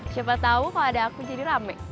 siapa tahu kalau ada aku jadi rame